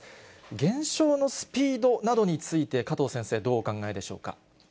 減少のスピードなどについて、加藤先生、どうお考えでしょうか。